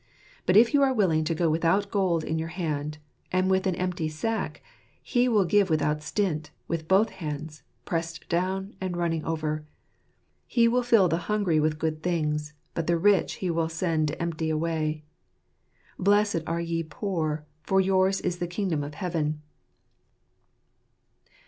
But if you are willing to go without gold in your hand, and with an empty sack, He will give without stint, with both hands, pressed down, and running over. " He will fill the hungry with good things ; but the rich He will send empty away." " Blessed are ye poor, for yours is the kingdom of heaven."